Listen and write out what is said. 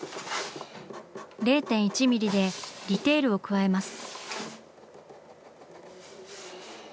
０．１ミリでディテールを加えます。